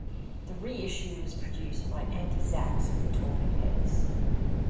The reissue was produced by Andy Zax with Talking Heads.